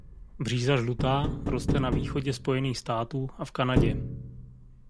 Bříza žlutá roste na východě Spojených států a v Kanadě.